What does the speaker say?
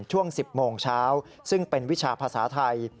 ช่วง๑๐โมงเช้าซึ่งเป็นวิชาภาษาไทย